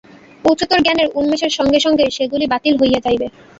উচ্চতর জ্ঞানের উন্মেষের সঙ্গে সঙ্গে সেগুলি বাতিল হইয়া যাইবে।